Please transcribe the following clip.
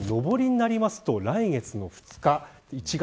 これが、上りになりますと来月の２日。